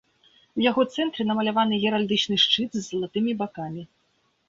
У яго цэнтры намаляваны геральдычны шчыт з залатымі бакамі.